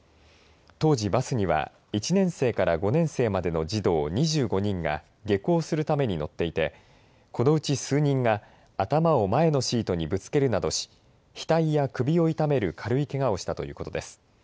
当時バスには１年生から５年生までの児童２５人が下校するために乗っていてこのうち数人が頭を前のシートにぶつけるなどし額や首を痛める軽いけがをしたということです。